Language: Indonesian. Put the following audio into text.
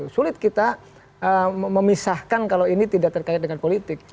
sulit kita memisahkan kalau ini tidak terkait dengan politik